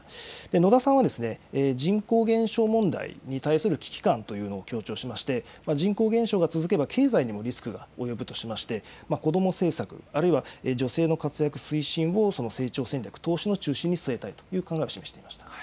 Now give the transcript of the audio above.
野田さんはですね、人口減少問題に対する危機感というのを強調しまして、人口減少が続けば経済にもリスクが及ぶとしまして、子ども政策、あるいは女性の活躍推進を成長戦略、投資の中心に据えたいという考えを示していました。